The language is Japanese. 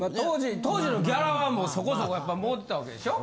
当時のギャラはもうそこそこやっぱりもうてたわけでしょ？